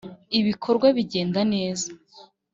ibikorwa bigenda neza